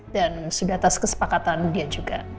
dan sudah atas kesepakatan dia juga